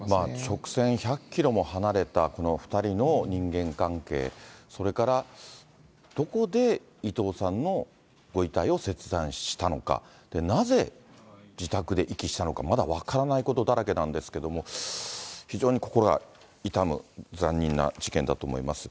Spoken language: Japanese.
直線１００キロも離れたこの２人の人間関係、それからどこで伊藤さんのご遺体を切断したのか、なぜ自宅で遺棄したのか、まだ分からないことだらけなんですけれども、非常に心が痛む残忍な事件だと思います。